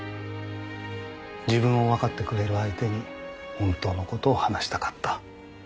自分をわかってくれる相手に本当の事を話したかった。